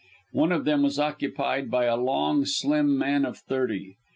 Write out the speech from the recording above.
One of them was occupied by a long, slim man of thirty.